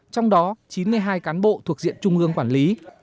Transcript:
trong đó chín mươi hai cán bộ thuộc diện trung ương quản lý